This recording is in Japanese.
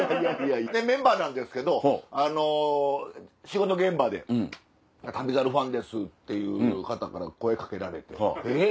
メンバーなんですけどあの仕事現場で『旅猿』ファンですっていう方から声かけられてえっ！